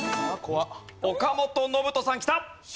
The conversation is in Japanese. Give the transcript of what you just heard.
岡本信人さんきた！